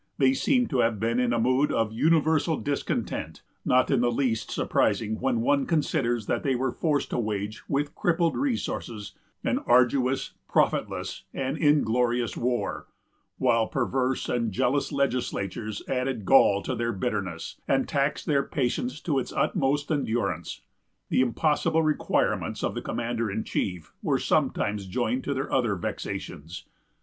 They seem to have been in a mood of universal discontent, not in the least surprising when one considers that they were forced to wage, with crippled resources, an arduous, profitless, and inglorious war; while perverse and jealous legislatures added gall to their bitterness, and taxed their patience to its utmost endurance. The impossible requirements of the commander in chief were sometimes joined to their other vexations.